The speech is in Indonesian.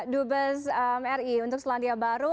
dubes ri untuk selandia baru